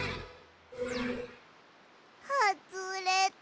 はずれた。